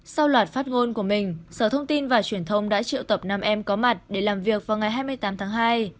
sau loạt phát ngôn của mình sở thông tin và truyền thông đã triệu tập năm em có mặt để làm việc vào ngày hai mươi tám tháng hai